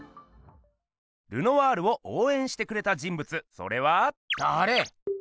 ルノワールをおうえんしてくれた人物それは。だれ？